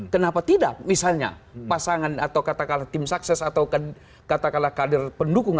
kenapa tidak misalnya pasangan atau katakanlah tim sukses atau katakanlah kader pendukung